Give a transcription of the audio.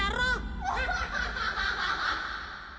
ハハハハ。